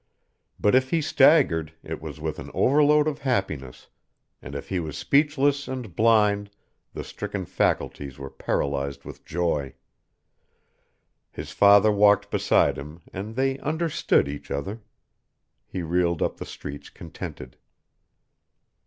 But if he staggered it was with an overload of happiness, and if he was speechless and blind the stricken faculties were paralyzed with joy. His father walked beside him and they understood each other. He reeled up the streets contented.